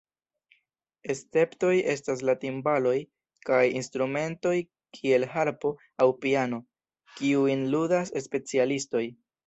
Esceptoj estas la timbaloj kaj instrumentoj kiel harpo aŭ piano, kiujn ludas specialistoj.